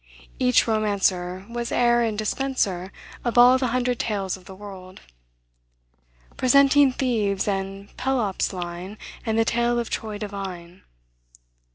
Each romancer was heir and dispenser of all the hundred tales of the world, "Presenting Thebes' and Pelops' line And the tale of Troy divine."